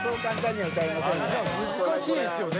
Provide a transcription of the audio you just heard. これは難しいですよね